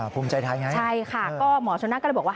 ภูมิใจไทยไงใช่ค่ะก็หมอชนะก็เลยบอกว่า